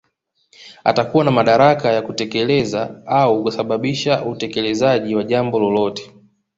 Atakuwa na madaraka ya kutekeleza au kusababisha utekelezaji wa jambo lolote